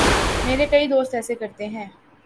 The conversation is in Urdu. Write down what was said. میرے کئی دوست ایسے کرتے ہیں۔